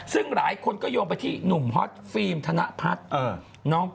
ซึ่งหลายคนก็โยงไปที่หนุ่มฮอตฟิล์มธนพัฒน์